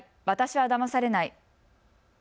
私はだまされない。